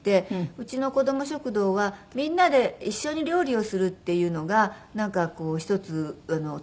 うちの子ども食堂はみんなで一緒に料理をするっていうのがなんかこうひとつ特徴の子ども食堂なんですね。